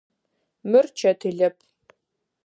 Мыр чэтылэп.